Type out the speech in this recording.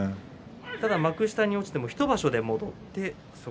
ただ幕下に落ちても１場所で上がってきました。